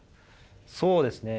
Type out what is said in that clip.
そうですね。